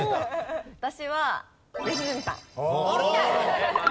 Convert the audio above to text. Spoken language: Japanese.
私は良純さん。